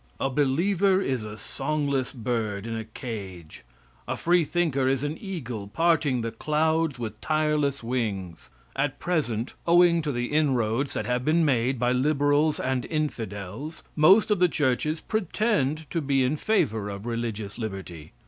A believer is a songless bird in a cage, a freethinker is an eagle parting the clouds with tireless wings. At present, owing to the inroads that have been made by liberals and infidels, most of the churches pretend to be in favor of religious liberty.